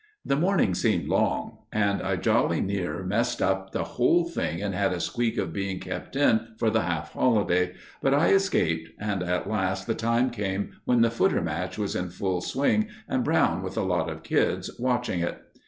The morning seemed long and I jolly near messed up the whole thing and had a squeak of being kept in for the half holiday, but I escaped, and at last the time came when the footer match was in full swing and Brown, with a lot of kids, watching it.